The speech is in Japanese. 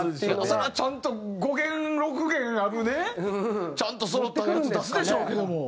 それはちゃんと５弦６弦あるねちゃんとそろったやつ出すでしょうけども。